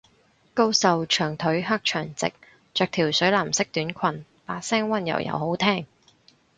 高瘦長腿黑長直，着條水藍色短裙，把聲溫柔又好聽